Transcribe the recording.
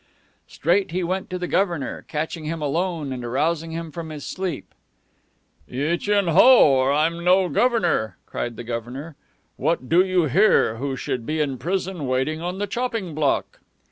Straight he went to the Governor, catching him alone and arousing him from his sleep. "Yi Chin Ho, or I'm no Governor!" cried the Governor. "What do you here who should be in prison waiting on the chopping block!"